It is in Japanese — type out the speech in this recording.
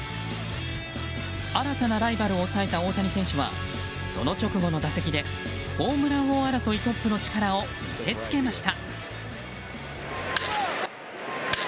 新たなライバルを抑えた大谷選手はその直後の打席でホームラン王争いトップの力を見せつけました。